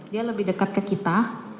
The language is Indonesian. dia lebih dekat ke kita